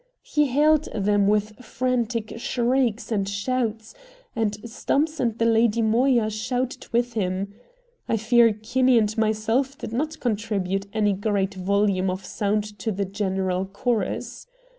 He hailed them with frantic shrieks and shouts, and Stumps and the Lady Moya shouted with him. I fear Kinney and myself did not contribute any great volume of sound to the general chorus.